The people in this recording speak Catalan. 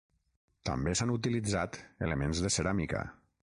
També s'han utilitzat elements de ceràmica.